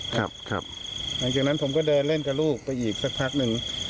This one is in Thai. ครับครับหลังจากนั้นผมก็เดินเล่นกับลูกไปอีกสักพักหนึ่ง